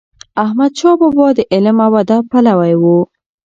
احمد شاه بابا د علم او ادب پلوی و.